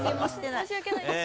申し訳ないです。